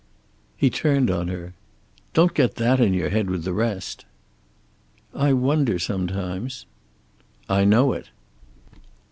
He turned on her. "Don't get that in your head with the rest." "I wonder, sometimes." "I know it."